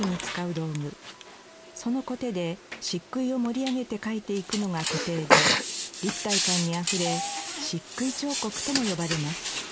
その鏝で漆喰を盛り上げて描いていくのが鏝絵で立体感にあふれ漆喰彫刻とも呼ばれます。